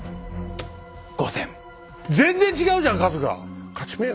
全然違うじゃん数が！